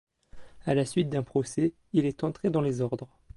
À la suite d'un procès, il est entré dans les ordres.